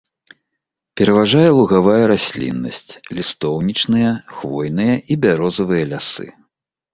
Пераважае лугавая расліннасць, лістоўнічныя, хвойныя і бярозавыя лясы.